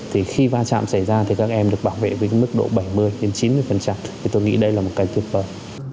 thì khi va chạm xảy ra thì các em được bảo vệ với mức độ bảy mươi chín mươi thì tôi nghĩ đây là một cái tuyệt vời